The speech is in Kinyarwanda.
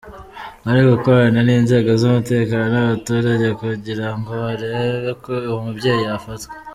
Bari gukorana n’inzego z’umutekano n’abaturage kugirango barebe ko uwo mubyeyi yafatwa.